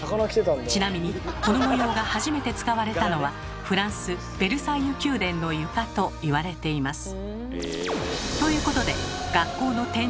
ちなみにこの模様が初めて使われたのはフランス・ベルサイユ宮殿の床と言われています。